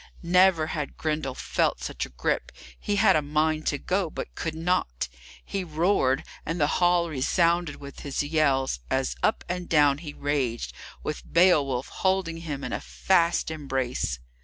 Never had Grendel felt such a grip; he had a mind to go, but could not. He roared, and the hall resounded with his yells, as up and down he raged, with Beowulf holding him in a fast embrace.